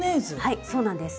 はいそうなんです。